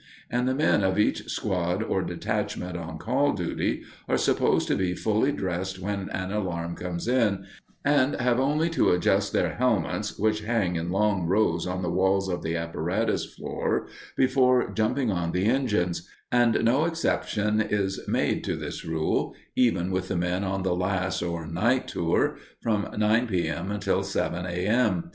And the men of each squad or detachment on "call duty" are supposed to be fully dressed when an alarm comes in, and have only to adjust their helmets, which hang in long rows on the walls of the apparatus floor, before jumping on the engines; and no exception is made to this rule, even with the men on the last or "night tour" from 9 P.M. until 7 A.M.